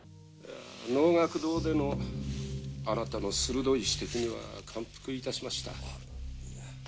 能楽堂でのあなたの鋭い指摘には感服いたしました。